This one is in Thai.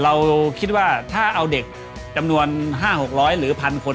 เราคิดว่าถ้าเอาเด็กจำนวน๕๖๐๐หรือพันคน